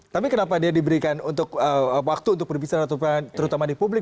tapi kenapa dia diberikan untuk waktu untuk berbicara terutama di publik